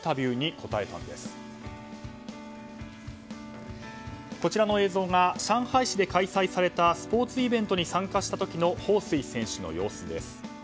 こちらの映像が上海市で開催されたスポーツイベントに参加した時のホウ・スイ選手の様子です。